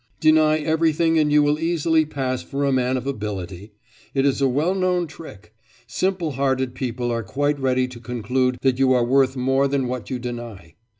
Deny everything and you will easily pass for a man of ability; it's a well known trick. Simple hearted people are quite ready to conclude that you are worth more than what you deny.